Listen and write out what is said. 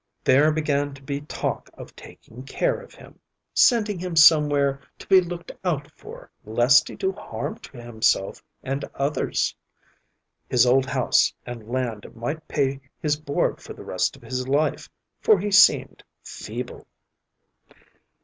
There began to be talk of taking care of him, sending him somewhere to be looked out for, lest he do harm to himself and others. His old house and land might pay his board for the rest of his life, for he seemed feeble.